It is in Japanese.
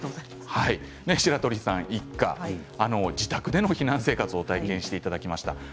白鳥さん一家、自宅での避難生活を体験していただきました。